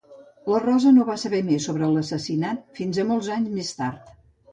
La Rosa no va saber més sobre l'assassinat fins a molts anys més tard.